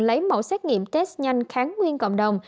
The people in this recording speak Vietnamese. lấy mẫu xét nghiệm test nhanh kháng nguyên cộng đồng